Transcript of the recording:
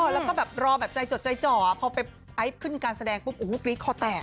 แล้วก็แบบรอแบบใจจดใจจ่อพอไปไอซ์ขึ้นการแสดงปุ๊บโอ้โหกรี๊ดคอแตก